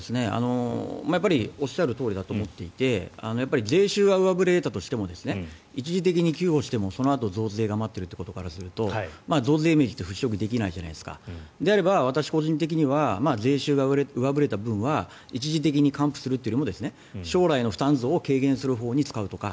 おっしゃるとおりだと思っていてやっぱり税収が上振れたとしても一時的に給付してもそのあと増税が待っているということからすると増税イメージって払しょくできないじゃないですかであれば私個人的には税収が上振れた分は一時的に還付するよりも将来の負担増を軽減するほうに使うとか